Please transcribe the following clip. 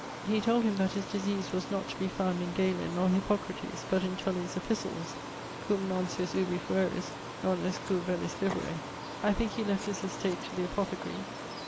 ... he told him that his disease was not to be found in Galen or Hippocrates, but in Tullie's Epistles, Cum non sis ubi fueris, non est cur velis vivere. I thinke he left his estate to the apothecarie.